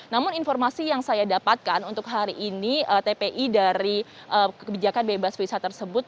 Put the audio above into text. namun informasi yang saya dapatkan untuk hari ini tpi dari kebijakan bebas visa tersebut